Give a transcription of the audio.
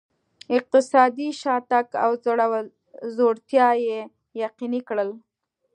اقتصادي شاتګ او ځوړتیا یې یقیني کړل.